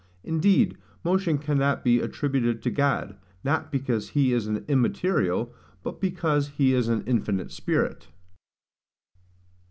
Indeed motion cannot be attributed to God; not because he is an immaterial, but because he is an infinite spirit.